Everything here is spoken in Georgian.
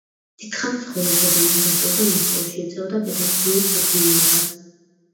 დიდხანს ცხოვრობდა და მოღვაწეობდა მოსკოვში, ეწეოდა პედაგოგიურ საქმიანობას.